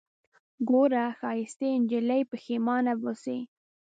ګوره ښايستې نجلۍ پښېمانه به سې